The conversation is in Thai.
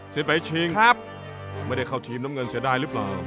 ไปชิงครับไม่ได้เข้าทีมน้ำเงินเสียดายหรือเปล่า